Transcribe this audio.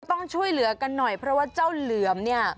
ต้องช่วยเหลือกันหน่อยเพราะว่าเจ้าเหลือมเนี่ย